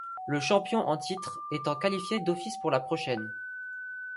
Le champion en titre étant qualifié d'office pour la prochaine.